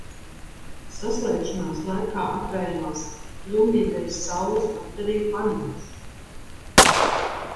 Saslēgšanās laikā atvērās kļūmīgais saules bateriju panelis.